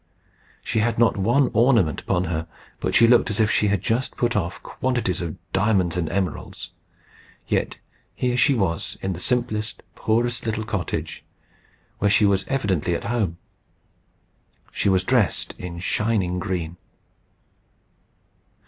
She had not one ornament upon her, but she looked as if she had just put off quantities of diamonds and emeralds. Yet here she was in the simplest, poorest little cottage, where she was evidently at home. She was dressed in shining green.